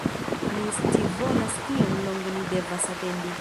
Mi scivolas kiom longe ni devas atendi